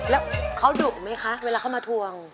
แล้วเขาดุไหมคะเวลาเขามาทวง